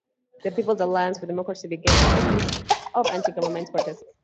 The People's Alliance for Democracy began a series of anti-government protests.